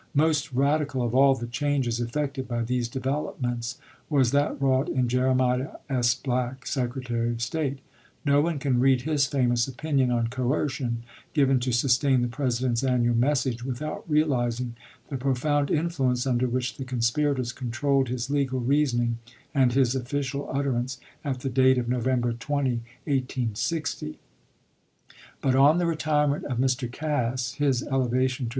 Most radical of all the changes effected by these developments was that wrought in Jeremiah S. Black, Secretary of State. No one can read his famous opinion on coercion, given to sustain the President's annual message, without realizing the profound influence under which the conspirators «0pinlons controlled his legal reasoning and his official utter Att"neys ance at the date of November 20, 1860. But %T\k!' on the retirement of Mr. Cass, his elevation to vp's!